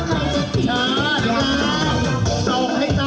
ใจไปกับพวกเยอะ